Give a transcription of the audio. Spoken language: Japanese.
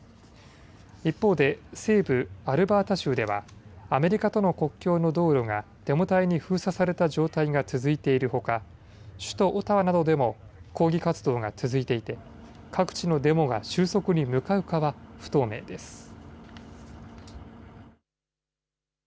一方で、西部アルバータ州では、アメリカとの国境の道路がデモ隊に封鎖された状態が続いているほか、首都オタワなどでも抗議活動が続いていて、各地のデモが収束に向かうかは不透明です。